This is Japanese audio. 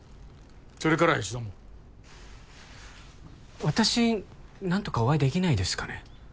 それからは一度も私何とかお会いできないですかね？